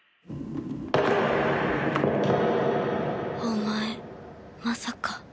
お前まさか。